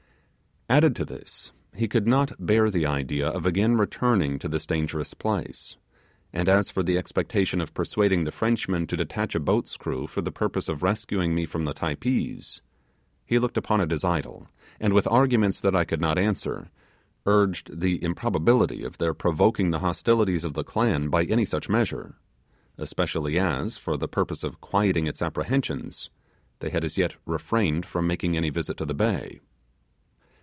Added to this, he could not bear the idea of again returning to this dangerous place; and as for the expectation of persuading the Frenchmen to detach a boat's crew for the purpose of rescuing me from the Typees, he looked upon it as idle; and with arguments that I could not answer, urged the improbability of their provoking the hostilities of the clan by any such measure; especially, as for the purpose of quieting its apprehensions, they had as yet refrained from making any visit to the bay.